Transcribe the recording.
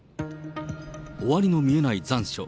終わりの見えない残暑。